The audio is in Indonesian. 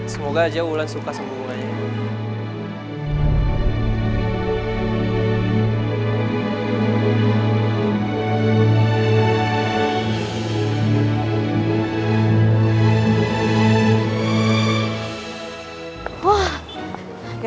semoga aja wulan suka semuanya